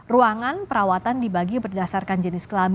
ruangan perawatan dibagi berdasarkan jenis kelamin